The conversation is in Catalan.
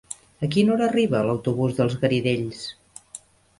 A quina hora arriba l'autobús dels Garidells?